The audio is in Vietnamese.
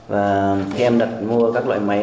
và em đặt mua các loại máy